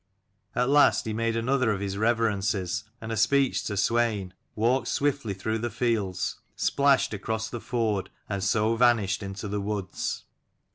At last he made another of his reveren ces, and a speech to Swein: walked swiftly through the fields: splashed across the ford: and so vanished into the woods.